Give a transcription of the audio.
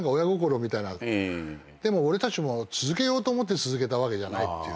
でも俺たちも続けようと思って続けたわけじゃないっていうか。